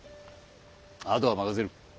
あとは任せる。